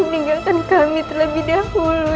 meninggalkan kami terlebih dahulu